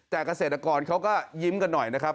แต่เกษตรกรเขาก็ยิ้มกันหน่อยนะครับ